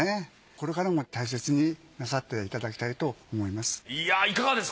これからも大切になさっていただきたいと思います。